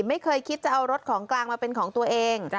ไม่เคยคิดจะเอารถของกลางมาเป็นของตัวเอง